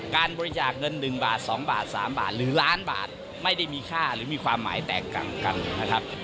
การบริจาคเงิน๑บาท๒บาท๓บาทหรือล้านบาทไม่ได้มีค่าหรือมีความหมายแตกต่างกันนะครับ